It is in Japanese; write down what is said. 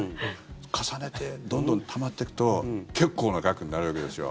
重ねて、どんどんたまってくと結構な額になるわけですよ。